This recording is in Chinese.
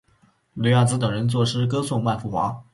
柳亚子等人作诗歌颂万福华。